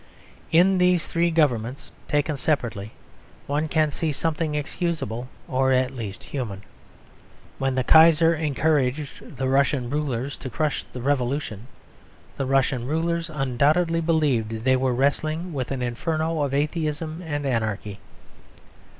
In these three Governments, taken separately, one can see something excusable or at least human. When the Kaiser encouraged the Russian rulers to crush the Revolution, the Russian rulers undoubtedly believed they were wrestling with an inferno of atheism and anarchy.